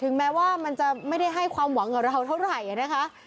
แม้ว่ามันจะไม่ได้ให้ความหวังกับเราเท่าไหร่นะคะ